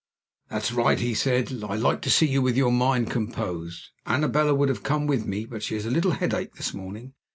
"That's right!" he said. "I like to see you with your mind composed. Annabella would have come with me; but she has a little headache this morning.